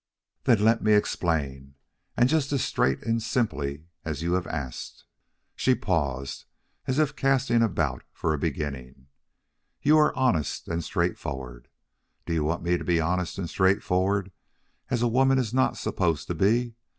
"Then let me explain, and just as straight and simply as you have asked." She paused, as if casting about for a beginning. "You are honest and straightforward. Do you want me to be honest and straightforward as a woman is not supposed to be?